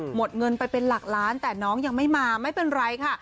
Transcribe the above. หมดเงินไปเป็นหลักล้านแต่น้องยังไม่มาไม่เป็นไรค่ะ